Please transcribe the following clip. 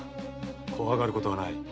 怖がることはない。